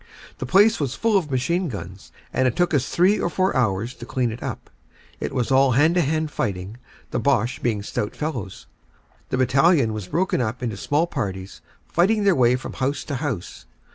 "The place was full of machine guns, and it took us three or four hours to clean it up. It was all hand to hand fighting, the Boche being stout fellows. The battalion was broken up into small parties, fighting their way from house to house.